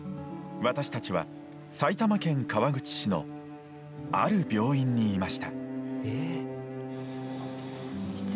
私たちは、埼玉県川口市のある病院にいました。